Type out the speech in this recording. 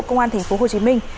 công an tp hồ chí minh